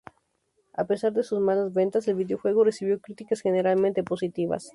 A pesar de sus malas ventas, el videojuego recibió críticas generalmente positivas.